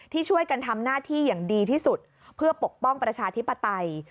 ที่ช่วยกันทำหน้าที่อย่างดีที่สุดเพื่อปกป้องประชาธิปไตย